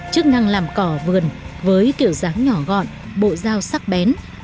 chức năng làm cỏ vườn với kiểu dáng nhỏ gọn bộ dao sắc bén